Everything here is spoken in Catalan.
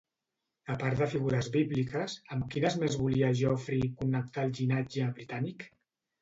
A part de figures bíbliques, amb quines més volia Geoffrey connectar el llinatge britànic?